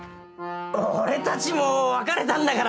俺たちもう別れたんだから。